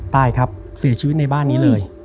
ตายครับเสียชีวิตในบ้านนี้เลย